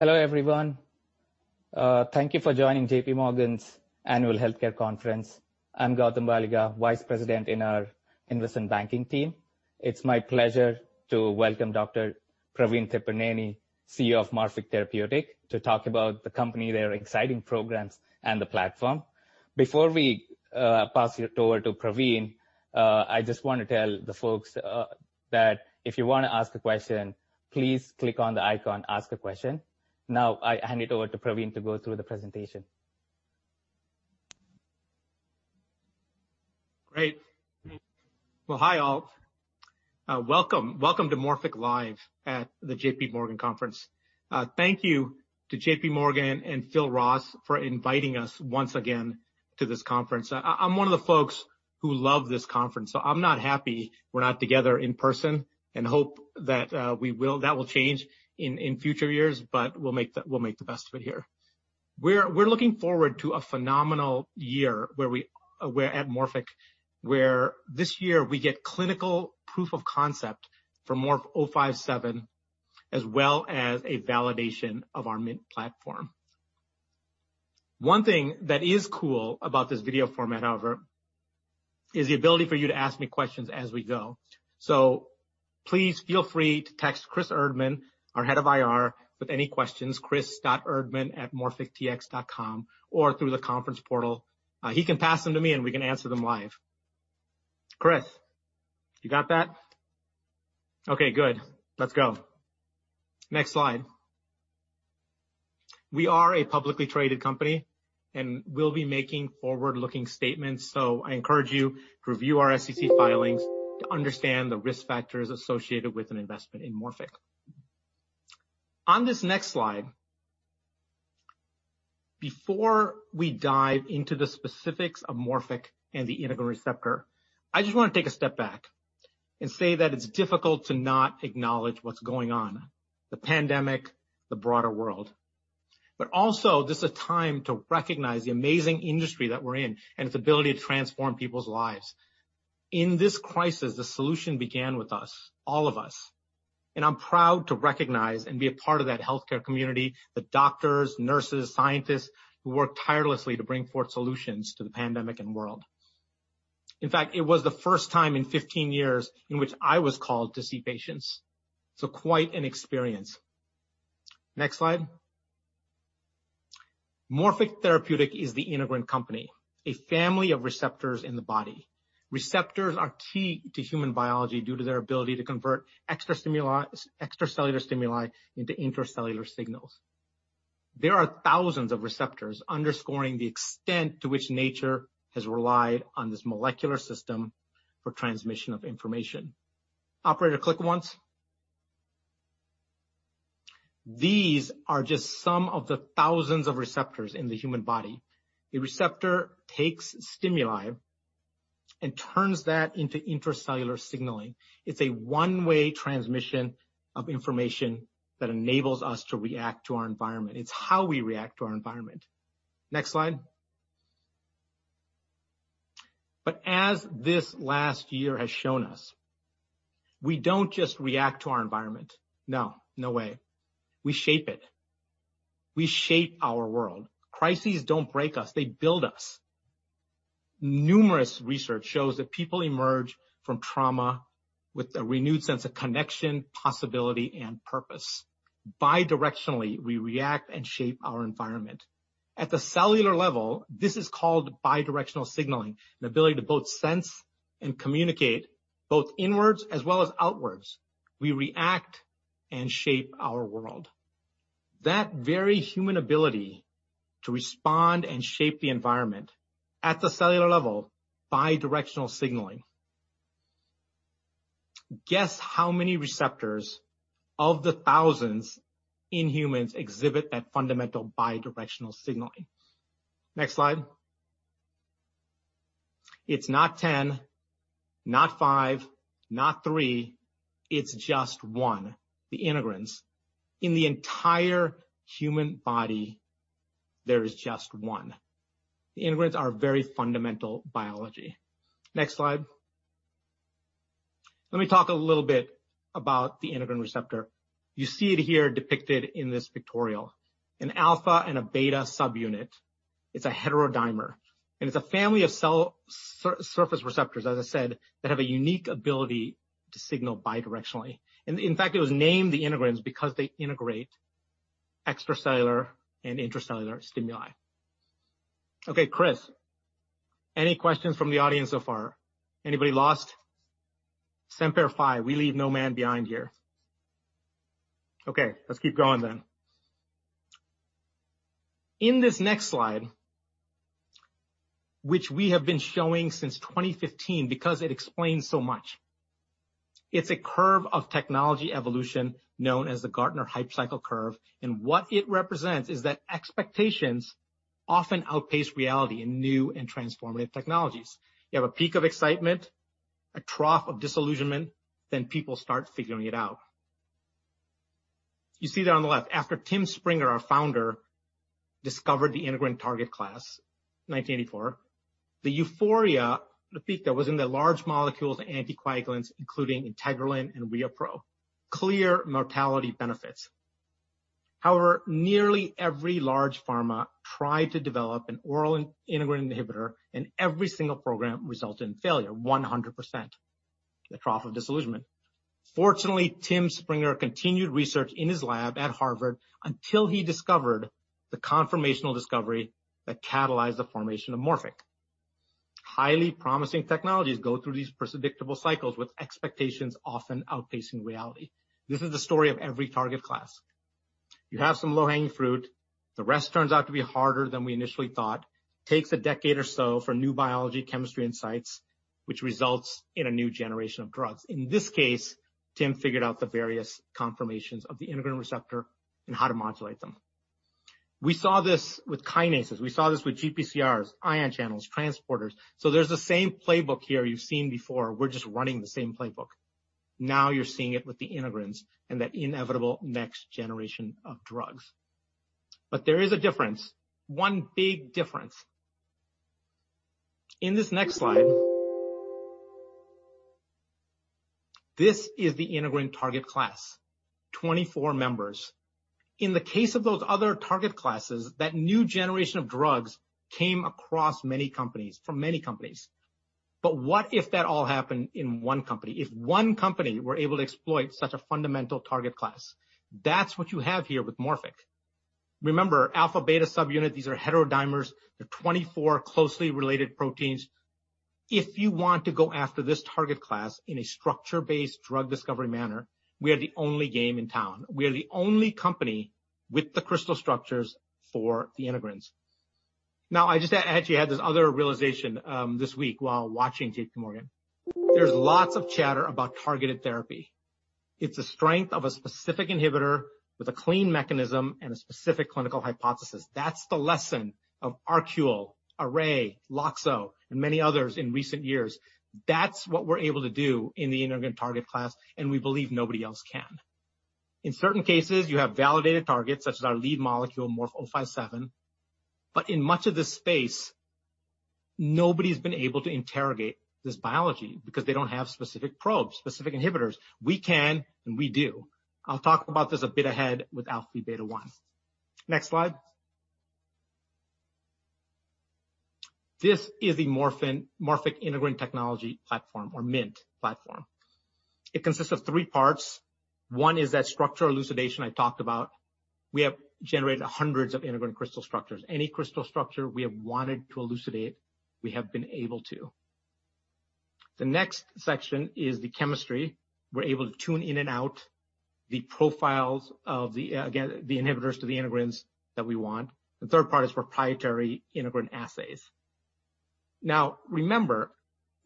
Hello everyone. Thank you for joining JPMorgan's Annual Healthcare Conference. I'm Gautam Baliga, Vice President in our investment banking team. It's my pleasure to welcome Dr. Praveen Tipirneni, CEO of Morphic Therapeutic, to talk about the company, their exciting programs, and the platform. Before we pass it over to Praveen, I just want to tell the folks that if you want to ask a question, please click on the icon, Ask a Question. I hand it over to Praveen to go through the presentation. Great. Well, hi all. Welcome to Morphic Live at the JPMorgan healthcare Conference. Thank you to JPMorgan and Phil Ross for inviting us once again to this conference. I'm one of the folks who love this conference, so I'm not happy we're not together in person and hope that will change in future years, but we'll make the best of it here. We're looking forward to a phenomenal year at Morphic, where this year we get clinical proof of concept for MORF-057, as well as a validation of our MInT Platform. One thing that is cool about this video format, however, is the ability for you to ask me questions as we go. Please feel free to text Chris Erdman, our head of IR, with any questions, chris.erdman@morphictx.com, or through the conference portal. He can pass them to me, and we can answer them live. Chris, you got that? Okay, good. Let's go. Next slide. We are a publicly traded company and will be making forward-looking statements. I encourage you to review our SEC filings to understand the risk factors associated with an investment in Morphic. On this next slide, before we dive into the specifics of Morphic and the integrin receptor, I just want to take a step back and say that it's difficult to not acknowledge what's going on, the pandemic, the broader world. Also, this is a time to recognize the amazing industry that we're in and its ability to transform people's lives. In this crisis, the solution began with us, all of us, and I'm proud to recognize and be a part of that healthcare community, the doctors, nurses, scientists, who work tirelessly to bring forth solutions to the pandemic and world. In fact, it was the first time in 15 years in which I was called to see patients, so quite an experience. Next slide. Morphic Therapeutic is the integrin company, a family of receptors in the body. Receptors are key to human biology due to their ability to convert extracellular stimuli into intracellular signals. There are thousands of receptors underscoring the extent to which nature has relied on this molecular system for transmission of information. Operator, click once. These are just some of the thousands of receptors in the human body. The receptor takes stimuli and turns that into intracellular signaling. It's a one-way transmission of information that enables us to react to our environment. It's how we react to our environment. Next slide. As this last year has shown us, we don't just react to our environment. No, no way. We shape it. We shape our world. Crises don't break us, they build us. Numerous research shows that people emerge from trauma with a renewed sense of connection, possibility, and purpose. Bidirectionally, we react and shape our environment. At the cellular level, this is called bidirectional signaling, an ability to both sense and communicate both inwards as well as outwards. We react and shape our world. That very human ability to respond and shape the environment at the cellular level, bidirectional signaling. Guess how many receptors of the thousands in humans exhibit that fundamental bidirectional signaling? Next slide. It's not 10, not five, not three. It's just one, the integrins. In the entire human body, there is just one. The integrins are very fundamental biology. Next slide. Let me talk a little bit about the integrin receptor. You see it here depicted in this pictorial, an alpha and a beta subunit. It's a heterodimer, and it's a family of cell surface receptors, as I said, that have a unique ability to signal bidirectionally. In fact, it was named the integrins because they integrate extracellular and intracellular stimuli. Okay, Chris, any questions from the audience so far? Anybody lost? Semper Fi. We leave no man behind here. Okay, let's keep going then. In this next slide, which we have been showing since 2015 because it explains so much, it's a curve of technology evolution known as the Gartner Hype Cycle curve. What it represents is that expectations often outpace reality in new and transformative technologies. You have a peak of excitement, a trough of disillusionment, then people start figuring it out. You see that on the left. After Tim Springer, our founder discovered the integrin target class, 1984. The euphoria, the peak that was in the large molecules anticoagulants, including Integrilin and ReoPro. Clear mortality benefits. Nearly every large pharma tried to develop an oral integrin inhibitor, and every single program resulted in failure, 100%. The trough of disillusionment. Fortunately, Tim Springer continued research in his lab at Harvard until he discovered the conformational discovery that catalyzed the formation of Morphic. Highly promising technologies go through these predictable cycles, with expectations often outpacing reality. This is the story of every target class. You have some low-hanging fruit. The rest turns out to be harder than we initially thought. Takes a decade or so for new biology, chemistry insights, which results in a new generation of drugs. In this case, Tim figured out the various conformations of the integrin receptor and how to modulate them. We saw this with kinases. We saw this with GPCRs, ion channels, transporters. There's the same playbook here you've seen before. We're just running the same playbook. Now you're seeing it with the integrins and that inevitable next generation of drugs. There is a difference, one big difference. In this next slide, this is the integrin target class, 24 members. In the case of those other target classes, that new generation of drugs came across many companies, from many companies. What if that all happened in one company? If one company were able to exploit such a fundamental target class? That's what you have here with Morphic. Remember, α, β subunit, these are heterodimers. They're 24 closely related proteins. If you want to go after this target class in a structure-based drug discovery manner, we are the only game in town. We are the only company with the crystal structures for the integrins. I just actually had this other realization this week while watching JPMorgan. There's lots of chatter about targeted therapy. It's a strength of a specific inhibitor with a clean mechanism and a specific clinical hypothesis. That's the lesson of ArQule, Array BioPharma, Loxo Oncology, and many others in recent years. That's what we're able to do in the integrin target class, and we believe nobody else can. In certain cases, you have validated targets, such as our lead molecule, MORF-057. In much of this space, nobody's been able to interrogate this biology because they don't have specific probes, specific inhibitors. We can, and we do. I'll talk about this a bit ahead with αvβ1. Next slide. This is a Morphic Integrin Technology platform or MInT Platform. It consists of 3 parts. One is that structural elucidation I talked about. We have generated hundreds of integrin crystal structures. Any crystal structure we have wanted to elucidate, we have been able to. The next section is the chemistry. We're able to tune in and out the profiles of, again, the inhibitors to the integrins that we want. The third part is proprietary integrin assays. Remember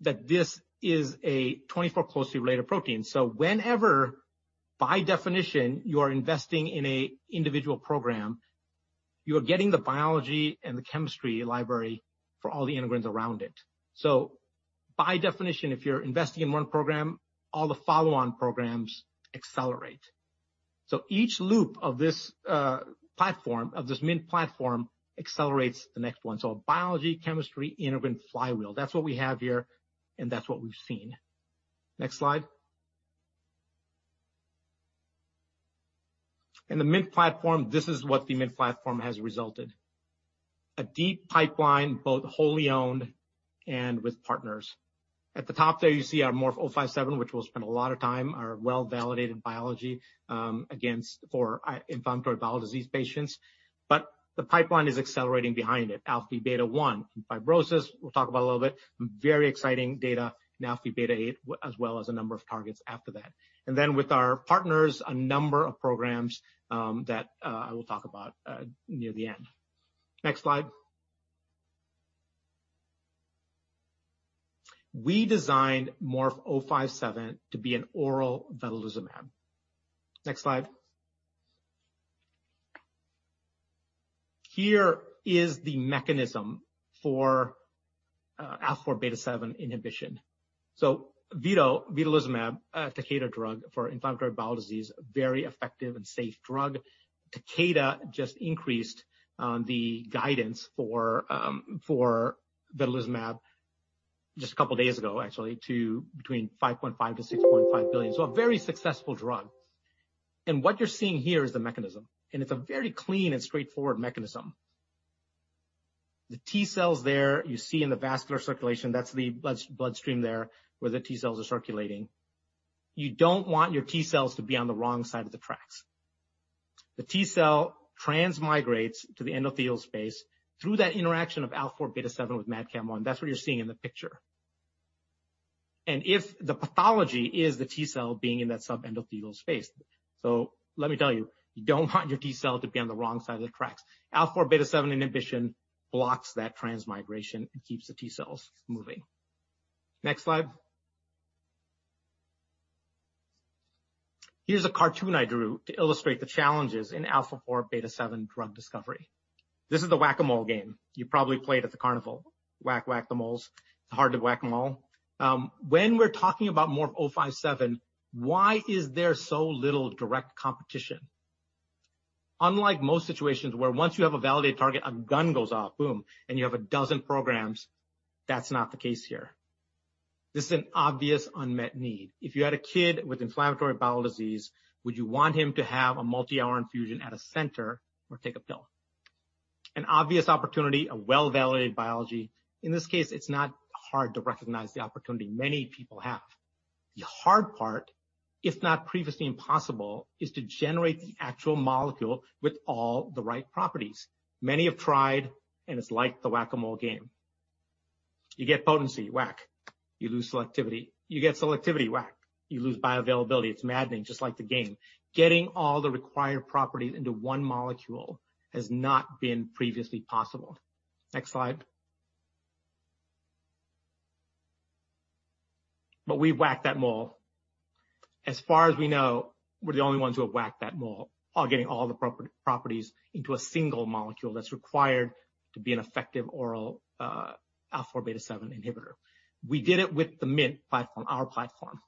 that this is a 24 closely related protein. Whenever, by definition, you are investing in an individual program, you are getting the biology and the chemistry library for all the integrins around it. By definition, if you're investing in one program, all the follow-on programs accelerate. Each loop of this platform, of this MInT Platform accelerates the next one. A biology, chemistry, integrin flywheel. That's what we have here, and that's what we've seen. Next slide. In the MInT Platform, this is what the MInT Platform has resulted. A deep pipeline, both wholly owned and with partners. At the top there, you see our MORF-057, which we'll spend a lot of time, our well-validated biology for inflammatory bowel disease patients. The pipeline is accelerating behind it. alpha-V beta-1 in fibrosis, we'll talk about a little bit. Very exciting data in alpha-V beta-8, as well as a number of targets after that. With our partners, a number of programs that I will talk about near the end. Next slide. We designed MORF-057 to be an oral vedolizumab. Next slide. Here is the mechanism for α4β7 inhibition. Vedolizumab, a Takeda drug for inflammatory bowel disease, very effective and safe drug. Takeda just increased the guidance for vedolizumab just a couple of days ago, actually, to between $5.5 billion-$6.5 billion. A very successful drug. What you're seeing here is the mechanism, and it's a very clean and straightforward mechanism. The T cells there you see in the vascular circulation, that's the bloodstream there where the T cells are circulating. You don't want your T cells to be on the wrong side of the tracks. The T cell transmigrates to the endothelial space through that interaction of α4β7 with MAdCAM-1. That's what you're seeing in the picture. If the pathology is the T cell being in that subendothelial space. Let me tell you don't want your T cell to be on the wrong side of the tracks. α4β7 inhibition blocks that transmigration and keeps the T cells moving. Next slide. Here's a cartoon I drew to illustrate the challenges in α4β7 drug discovery. This is the Whac-A-Mole game. You probably played at the carnival. Whack, whack the moles. It's hard to whack them all. When we're talking about MORF-057, why is there so little direct competition? Unlike most situations where once you have a validated target, a gun goes off, boom, and you have a dozen programs. That's not the case here. This is an obvious unmet need. If you had a kid with inflammatory bowel disease, would you want him to have a multi-hour infusion at a center or take a pill? An obvious opportunity, a well-validated biology. In this case, it's not hard to recognize the opportunity many people have. The hard part, if not previously impossible, is to generate the actual molecule with all the right properties. Many have tried. It's like the Whac-A-Mole game. You get potency, whack. You lose selectivity. You get selectivity, whack. You lose bioavailability. It's maddening, just like the game. Getting all the required properties into one molecule has not been previously possible. Next slide. We've whacked that mole. As far as we know, we're the only ones who have whacked that mole while getting all the properties into a single molecule that's required to be an effective oral α4β7 inhibitor. We did it with the MInT Platform, our platform.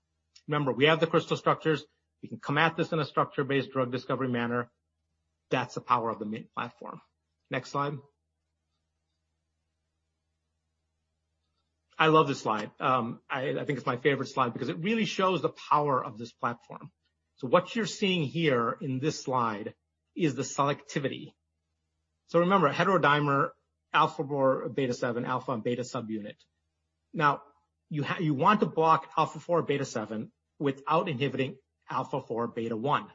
Remember, we have the crystal structures. We can come at this in a structure-based drug discovery manner. That's the power of the MInT Platform. Next slide. I love this slide. I think it's my favorite slide because it really shows the power of this platform. What you're seeing here in this slide is the selectivity. Remember, heterodimer α4β7, alpha and beta subunit. You want to block α4β7 without inhibiting α4β1.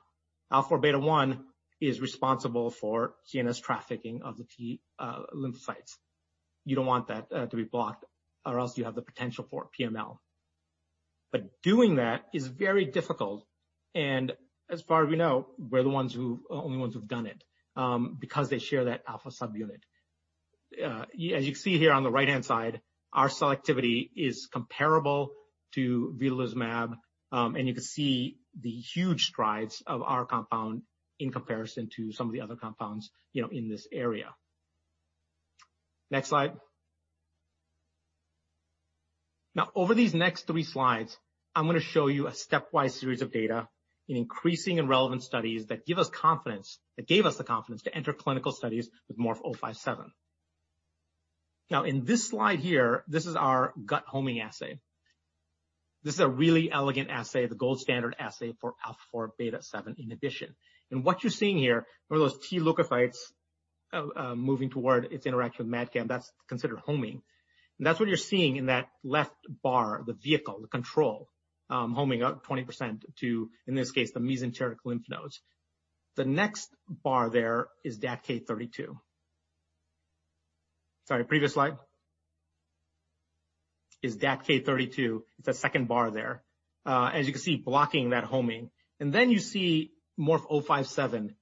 α4β1 is responsible for CNS trafficking of the T lymphocytes. You don't want that to be blocked, or else you have the potential for PML. Doing that is very difficult, and as far as we know, we're the only ones who've done it, because they share that alpha subunit. As you can see here on the right-hand side, our selectivity is comparable to vedolizumab, and you can see the huge strides of our compound in comparison to some of the other compounds in this area. Next slide. Over these next three slides, I'm going to show you a stepwise series of data in increasing and relevant studies that gave us the confidence to enter clinical studies with MORF-057. In this slide here, this is our gut-homing assay. This is a really elegant assay, the gold standard assay for α4β7 inhibition. What you're seeing here are those T lymphocytes moving toward its interaction with MAdCAM. That's considered homing. That's what you're seeing in that left bar, the vehicle, the control, homing up 20% to, in this case, the mesenteric lymph nodes. The next bar there is DATK32. Sorry, previous slide. Is DATK32. It's that second bar there. As you can see, blocking that homing. You see MORF-057,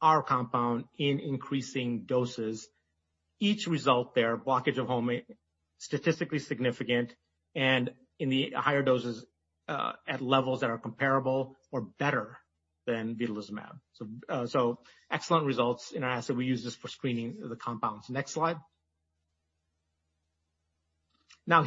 our compound in increasing doses. Each result there, blockage of homing, statistically significant, and in the higher doses, at levels that are comparable or better than vedolizumab. Excellent results in our assay. We use this for screening the compounds. Next slide.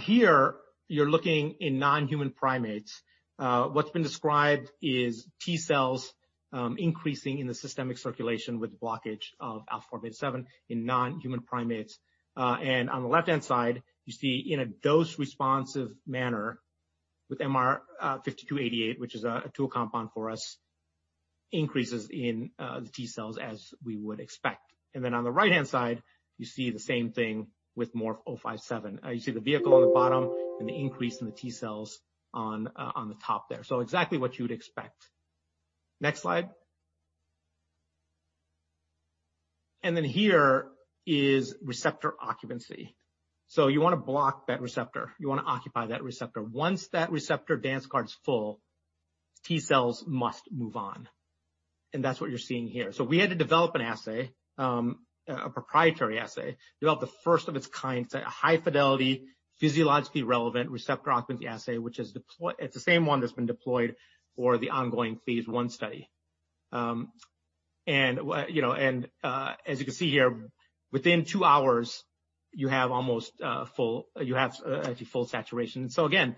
Here, you're looking in non-human primates. What's been described is T cells increasing in the systemic circulation with blockage of α4β7 in non-human primates. On the left-hand side, you see in a dose-responsive manner with MR5288, which is a tool compound for us, increases in the T cells as we would expect. On the right-hand side, you see the same thing with MORF-057. You see the vehicle on the bottom and the increase in the T cells on the top there. Exactly what you would expect. Next slide. Here is receptor occupancy. You want to block that receptor. You want to occupy that receptor. Once that receptor dance card's full, T cells must move on. That's what you're seeing here. We had to develop an assay, a proprietary assay, develop the first of its kind, a high-fidelity, physiologically relevant receptor occupancy assay, it's the same one that's been deployed for the ongoing phase I study. As you can see here, within two hours, you have actually full saturation. Again,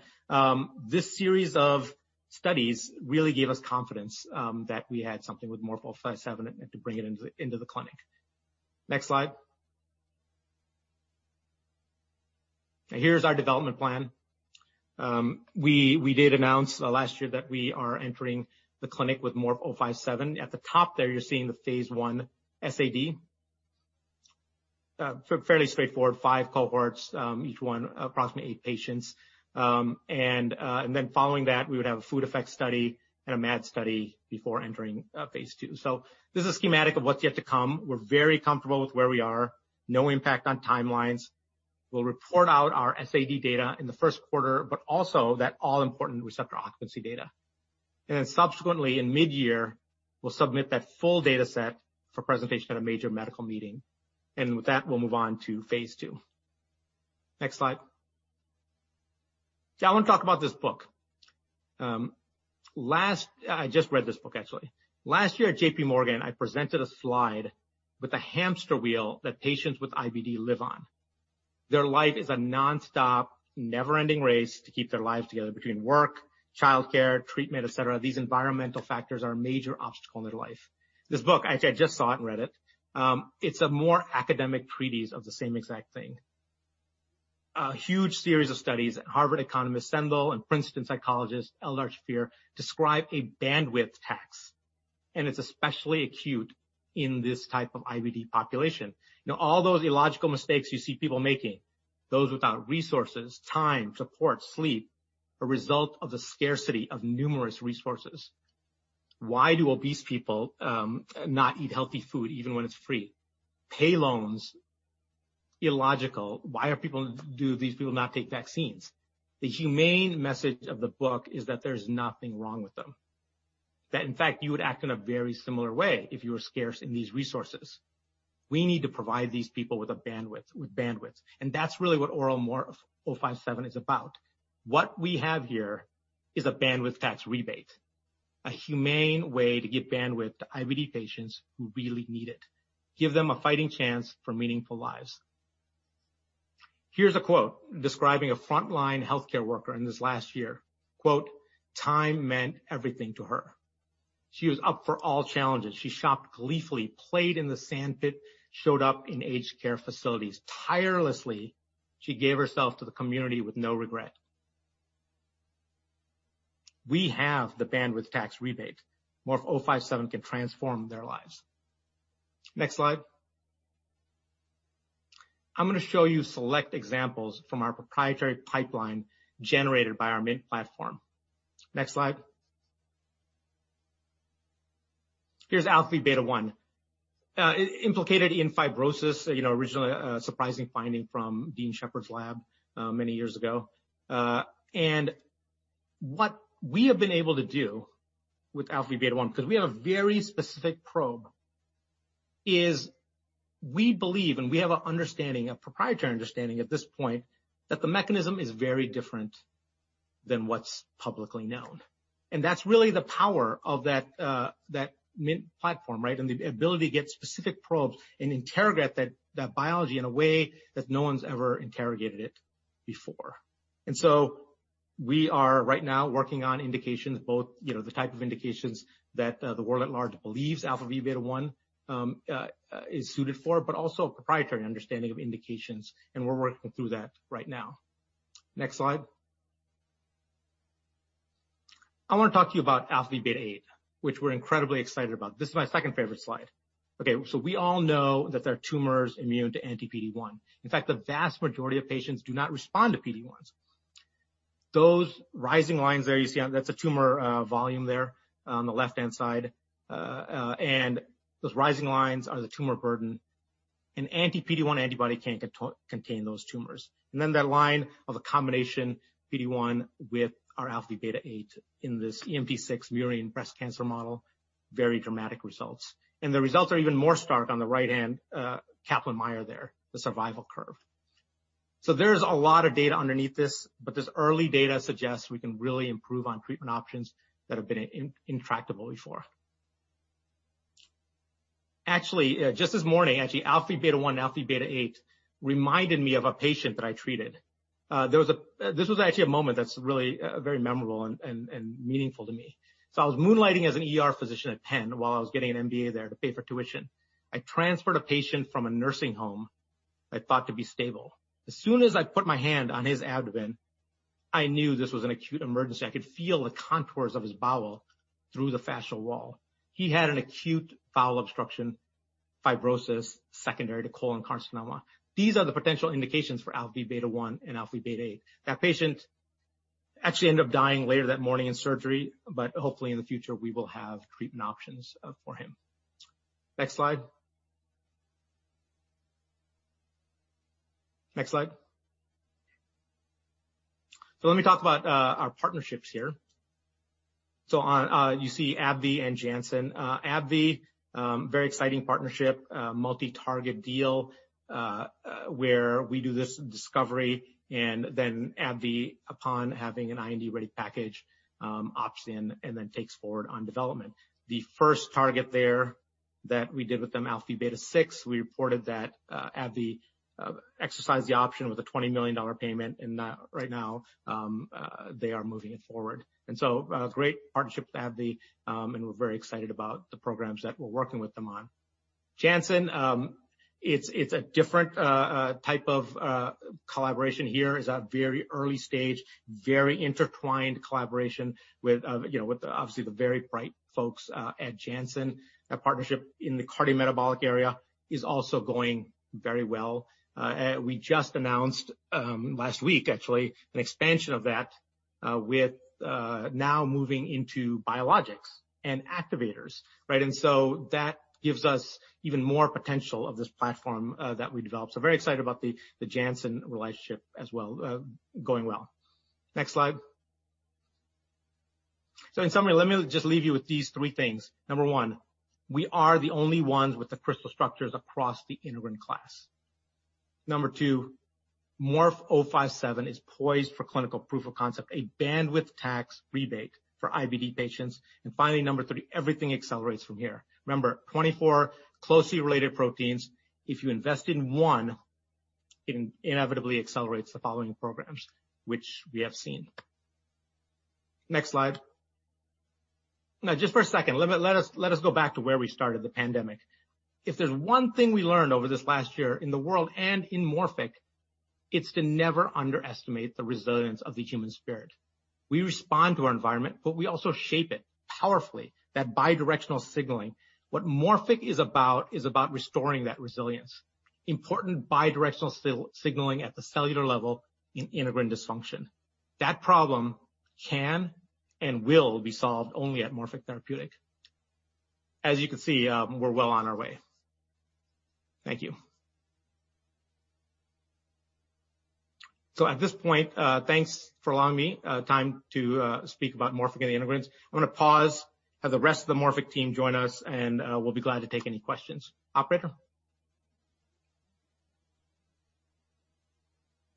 this series of studies really gave us confidence that we had something with MORF-057 and to bring it into the clinic. Next slide. Here's our development plan. We did announce last year that we are entering the clinic with MORF-057. At the top there, you're seeing the phase I SAD. Fairly straightforward, five cohorts, each one approximately eight patients. Following that, we would have a food effect study and a MAD study before entering phase II. This is a schematic of what's yet to come. We're very comfortable with where we are. No impact on timelines. We'll report out our SAD data in the first quarter, but also that all-important receptor occupancy data. Subsequently in mid-year, we'll submit that full data set for presentation at a major medical meeting. With that, we'll move on to phase II. Next slide. I want to talk about this book. I just read this book actually. Last year at JPMorgan, I presented a slide with a hamster wheel that patients with IBD live on. Their life is a nonstop, never-ending race to keep their lives together between work, childcare, treatment, et cetera. These environmental factors are a major obstacle in their life. This book, I just saw it and read it. It's a more academic treatise of the same exact thing. A huge series of studies, Harvard economist Sendhil and Princeton psychologist Eldar Shafir describe a bandwidth tax. It's especially acute in this type of IBD population. All those illogical mistakes you see people making, those without resources, time, support, sleep, are result of the scarcity of numerous resources. Why do obese people not eat healthy food even when it's free? Pay loans, illogical. Why do these people not take vaccines? The humane message of the book is that there's nothing wrong with them. That, in fact, you would act in a very similar way if you were scarce in these resources. We need to provide these people with bandwidth. That's really what MORF-057 is about. What we have here is a bandwidth tax rebate, a humane way to give bandwidth to IBD patients who really need it. Give them a fighting chance for meaningful lives. Here's a quote describing a frontline healthcare worker in this last year. Quote, Time meant everything to her. She was up for all challenges. She shopped gleefully, played in the sandpit, showed up in aged care facilities. Tirelessly, she gave herself to the community with no regret. We have the bandwidth tax rebate. MORF-057 can transform their lives. Next slide. I'm going to show you select examples from our proprietary pipeline generated by our MInT Platform. Next slide. Here's alpha-V beta-1. Implicated in fibrosis, originally a surprising finding from Dean Sheppard's lab many years ago. What we have been able to do with alpha-V beta-1, because we have a very specific probe, is we believe, and we have an understanding, a proprietary understanding at this point, that the mechanism is very different than what's publicly known. That's really the power of that MInT Platform, right? The ability to get specific probes and interrogate that biology in a way that no one's ever interrogated it before. We are right now working on indications, both the type of indications that the world at large believes αvβ1 is suited for, but also a proprietary understanding of indications, and we're working through that right now. Next slide. I want to talk to you about αvβ8, which we're incredibly excited about. This is my second favorite slide. We all know that there are tumors immune to anti-PD-1. In fact, the vast majority of patients do not respond to PD-1s. Those rising lines there you see, that's a tumor volume there on the left-hand side. Those rising lines are the tumor burden, and anti-PD-1 antibody can't contain those tumors. That line of a combination PD-1 with our αvβ8 in this EMT6 murine breast cancer model, very dramatic results. The results are even more stark on the right-hand Kaplan-Meier there, the survival curve. There's a lot of data underneath this, but this early data suggests we can really improve on treatment options that have been intractable before. Actually, just this morning, alpha-V beta-1 and alpha-V beta-8 reminded me of a patient that I treated. This was actually a moment that's really very memorable and meaningful to me. I was moonlighting as an ER physician at Penn while I was getting an MBA there to pay for tuition. I transferred a patient from a nursing home I thought to be stable. As soon as I put my hand on his abdomen, I knew this was an acute emergency. I could feel the contours of his bowel through the fascial wall. He had an acute bowel obstruction, fibrosis, secondary to colon carcinoma. These are the potential indications for alpha-V beta-1 and alpha-V beta-8. That patient actually ended up dying later that morning in surgery, but hopefully in the future, we will have treatment options for him. Next slide. Next slide. Let me talk about our partnerships here. You see AbbVie and Janssen. AbbVie, very exciting partnership, multi-target deal, where we do this discovery and then AbbVie, upon having an IND-ready package, opts in and then takes forward on development. The first target there that we did with them, alpha-V beta-6, we reported that AbbVie exercised the option with a $20 million payment, and right now, they are moving it forward. Great partnership with AbbVie, and we're very excited about the programs that we're working with them on. Janssen, it's a different type of collaboration here. It's a very early stage, very intertwined collaboration with obviously the very bright folks at Janssen. That partnership in the cardiometabolic area is also going very well. We just announced, last week actually, an expansion of that with now moving into biologics and activators, right? That gives us even more potential of this platform that we developed. Very excited about the Janssen relationship as well, going well. Next slide. In summary, let me just leave you with these three things. Number one, we are the only ones with the crystal structures across the integrin class. Number two, MORF-057 is poised for clinical proof of concept, a bandwidth tax rebate for IBD patients. Finally, number three, everything accelerates from here. Remember, 24 closely related proteins. If you invest in one, it inevitably accelerates the following programs, which we have seen. Next slide. Just for a second, let us go back to where we started the pandemic. If there's one thing we learned over this last year in the world and in Morphic, it's to never underestimate the resilience of the human spirit. We respond to our environment, but we also shape it powerfully, that bi-directional signaling. What Morphic is about is about restoring that resilience. Important bi-directional signaling at the cellular level in integrin dysfunction. That problem can and will be solved only at Morphic Therapeutic. You can see, we're well on our way. Thank you. At this point, thanks for allowing me time to speak about Morphic and integrins. I'm going to pause, have the rest of the Morphic team join us, and we'll be glad to take any questions. Operator?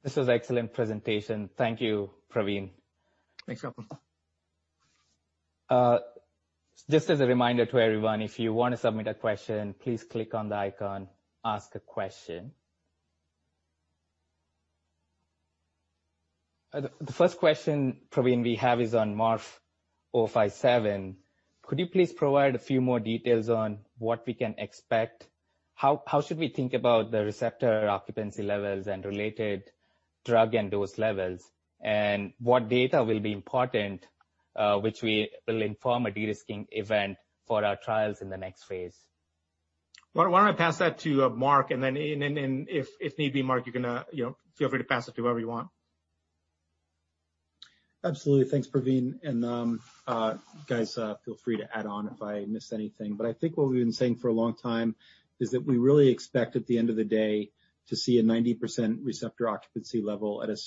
This was excellent presentation. Thank you, Praveen. Thanks, Gautam. Just as a reminder to everyone, if you want to submit a question, please click on the icon, Ask a Question. The first question, Praveen, we have is on MORF-057. Could you please provide a few more details on what we can expect? How should we think about the receptor occupancy levels and related drug and dose levels? What data will be important, which will inform a de-risking event for our trials in the next phase? Why don't I pass that to Marc, and then if need be, Marc, feel free to pass it to whoever you want. Absolutely. Thanks, Praveen, and guys, feel free to add on if I miss anything. I think what we've been saying for a long time is that we really expect at the end of the day to see a 90% receptor occupancy level at a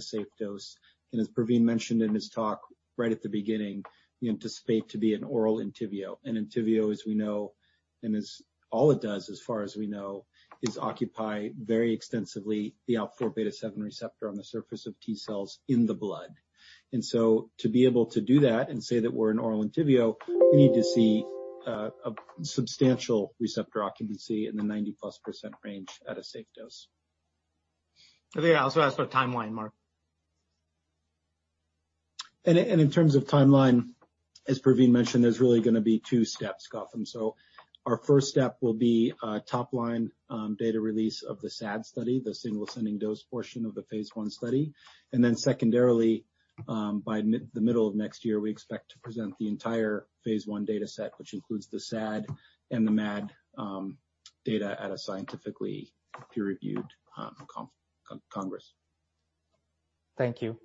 safe dose. As Praveen mentioned in his talk right at the beginning, we anticipate to be an oral ENTYVIO. ENTYVIO, as we know, and all it does as far as we know, is occupy very extensively the α4β7 receptor on the surface of T-cells in the blood. To be able to do that and say that we're an oral ENTYVIO, we need to see a substantial receptor occupancy in the 90+ % range at a safe dose. I think I also asked for a timeline, Marc. In terms of timeline, as Praveen mentioned, there's really going to be two steps, Gautam. Our first step will be a top-line data release of the SAD study, the single ascending dose portion of the phase I study. Secondarily, by the middle of next year, we expect to present the entire phase I data set, which includes the SAD and the MAD data at a scientifically peer-reviewed congress. Thank you.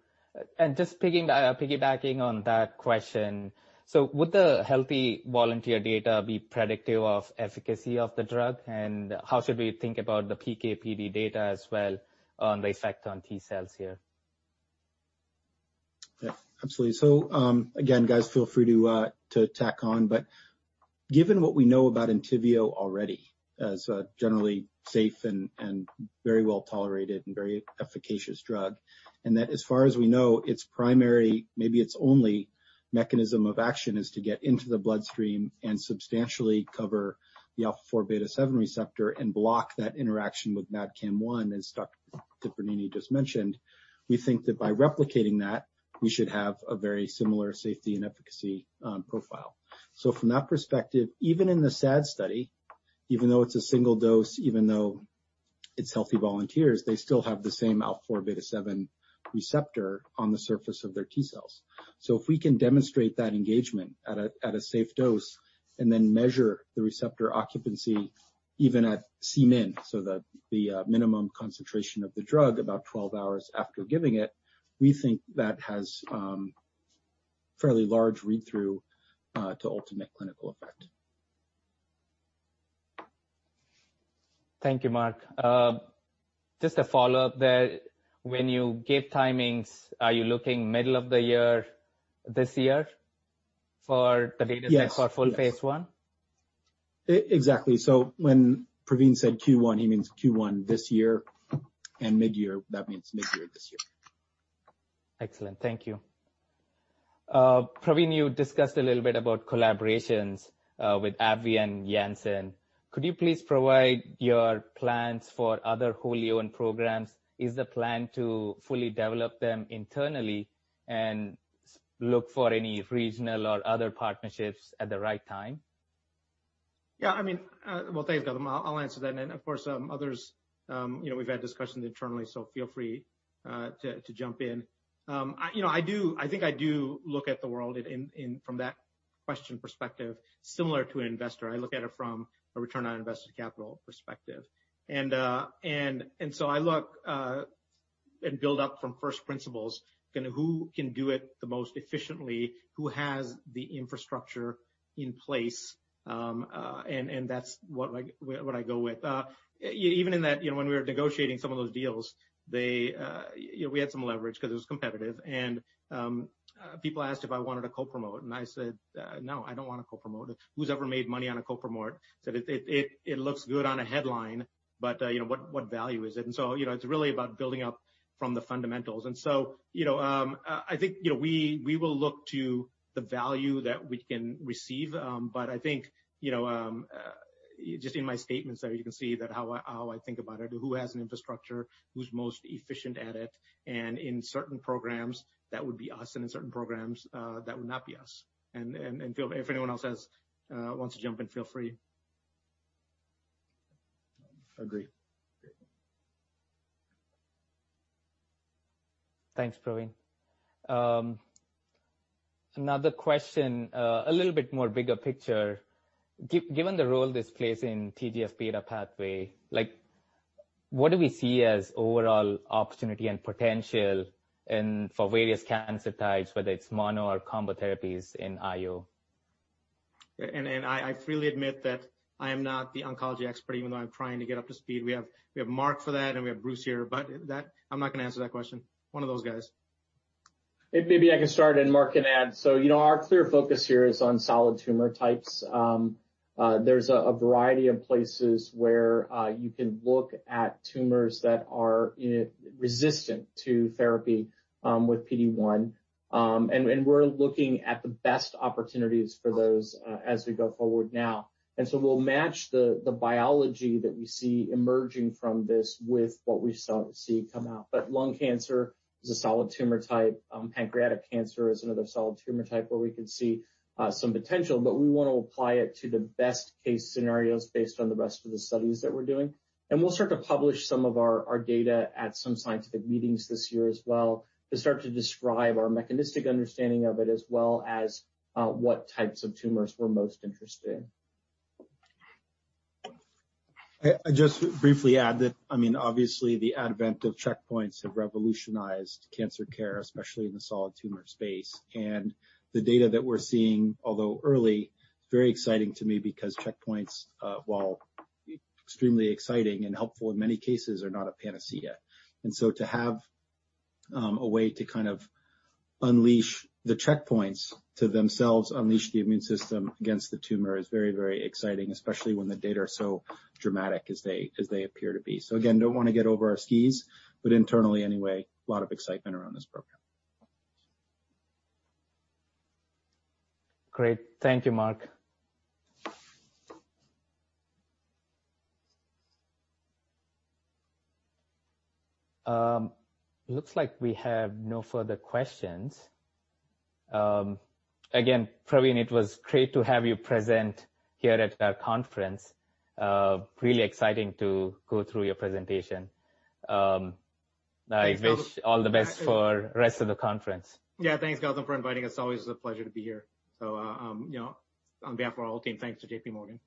Just piggybacking on that question. Would the healthy volunteer data be predictive of efficacy of the drug? How should we think about the PK/PD data as well on the effect on T-cells here? Absolutely. Again, guys, feel free to tack on. Given what we know about ENTYVIO already as a generally safe and very well-tolerated and very efficacious drug, and that as far as we know, its primary, maybe its only mechanism of action is to get into the bloodstream and substantially cover the α4β7 receptor and block that interaction with MAdCAM-1, as Dr. Tipirneni just mentioned. We think that by replicating that, we should have a very similar safety and efficacy profile. From that perspective, even in the SAD study, even though it's a single dose, even though it's healthy volunteers, they still have the same α4β7 receptor on the surface of their T-cells. If we can demonstrate that engagement at a safe dose and then measure the receptor occupancy even at Cmin, so the minimum concentration of the drug about 12 hours after giving it, we think that has fairly large read-through to ultimate clinical effect. Thank you, Marc. Just a follow-up there. When you give timings, are you looking middle of the year, this year for the data set? Yes for full phase I? Exactly. When Praveen said Q1, he means Q1 this year, and mid-year, that means mid-year this year. Excellent. Thank you. Praveen, you discussed a little bit about collaborations with AbbVie and Janssen. Could you please provide your plans for other wholly owned programs? Is the plan to fully develop them internally and look for any regional or other partnerships at the right time? Well, thanks, Gautam. I'll answer that, and of course, others, we've had discussions internally, so feel free to jump in. I think I do look at the world from that question perspective, similar to an investor. I look at it from a return on invested capital perspective. I look and build up from first principles who can do it the most efficiently, who has the infrastructure in place, and that's what I go with. Even in that, when we were negotiating some of those deals we had some leverage because it was competitive, and people asked if I wanted to co-promote, and I said, No, I don't want to co-promote it. Who's ever made money on a co-promote? Said, It looks good on a headline, but what value is it? It's really about building up from the fundamentals. I think we will look to the value that we can receive. I think, just in my statements there, you can see how I think about it, who has an infrastructure, who's most efficient at it, and in certain programs, that would be us, and in certain programs, that would not be us. If anyone else wants to jump in, feel free. Agreed. Thanks, Praveen. Another question, a little bit more bigger picture. Given the role this plays in TGF-β pathway, what do we see as overall opportunity and potential for various cancer types, whether it's mono or combo therapies in IO? I freely admit that I am not the oncology expert, even though I'm trying to get up to speed. We have Marc for that, and we have Bruce here, but I'm not going to answer that question. Maybe I can start and Marc can add. Our clear focus here is on solid tumor types. There's a variety of places where you can look at tumors that are resistant to therapy with PD-1, and we're looking at the best opportunities for those as we go forward now. We'll match the biology that we see emerging from this with what we see come out. Lung cancer is a solid tumor type. Pancreatic cancer is another solid tumor type where we could see some potential, but we want to apply it to the best-case scenarios based on the rest of the studies that we're doing. We'll start to publish some of our data at some scientific meetings this year as well to start to describe our mechanistic understanding of it, as well as what types of tumors we're most interested in. I just briefly add that, obviously the advent of checkpoints have revolutionized cancer care, especially in the solid tumor space. The data that we're seeing, although early, very exciting to me, because checkpoints, while extremely exciting and helpful in many cases, are not a panacea. To have a way to kind of unleash the checkpoints to themselves unleash the immune system against the tumor is very exciting, especially when the data are so dramatic as they appear to be. Again, don't want to get over our skis, but internally anyway, a lot of excitement around this program. Great. Thank you, Marc. Looks like we have no further questions. Again, Praveen, it was great to have you present here at our conference. Really exciting to go through your presentation. Thanks. I wish all the best for rest of the conference. Yeah. Thanks, Gautam, for inviting us. Always a pleasure to be here. On behalf of our whole team, thanks to JPMorgan.